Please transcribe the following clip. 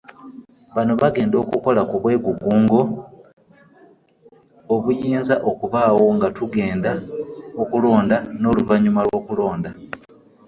Bano bagenda okukola ku bwegugungo obuyinza okubaawo nga tugenda okulonda n'oluvannyuma lw'okulonda.